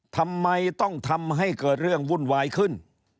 ทำไมต้องทำให้เกิดเรื่องวุ่นวายขึ้น